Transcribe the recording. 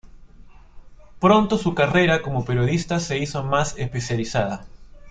Pronto su carrera como periodista se hizo más especializada.